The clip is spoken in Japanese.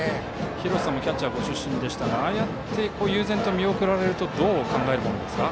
廣瀬さんもキャッチャーご出身ですが悠然と見送られるとどう考えるものですか。